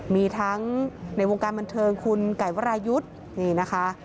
มีทั้งในวงการบันเทิงคุณไก่วรายุทธ์